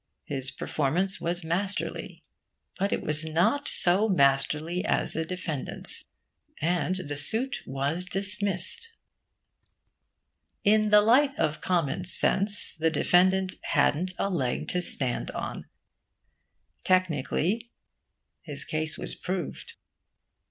His performance was masterly. But it was not so masterly as the defendant's; and the suit was dismissed. In the light of common sense, the defendant hadn't a leg to stand on. Technically, his case was proved.